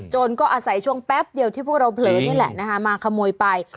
ก็อาศัยช่วงแป๊บเดียวที่พวกเราเผลอนี่แหละนะคะมาขโมยไป